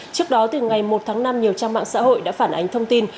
trước đó từ ngày một tháng năm nhiều trang mạng xã hội đã phản ánh thông tin